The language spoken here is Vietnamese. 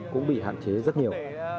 cũng bị hạn chế rất nhiều